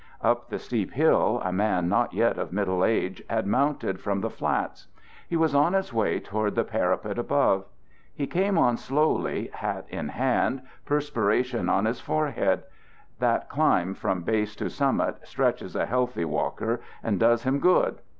Up the steep hill a man not yet of middle age had mounted from the flats. He was on his way toward the parapet above. He came on slowly, hat in hand, perspiration on his forehead; that climb from base to summit stretches a healthy walker and does him good.